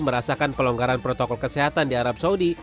merasakan pelonggaran protokol kesehatan di arab saudi